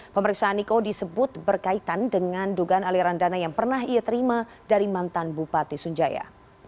pemeriksaan niko disebut berkaitan dengan dugaan aliran dana yang pernah ia terima dari mantan bupati sunjaya